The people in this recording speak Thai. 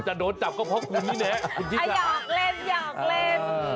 จะโดนจับก็เพราะคุณนี่แนะคุณธิสาอย่าออกเล่นอย่าออกเล่น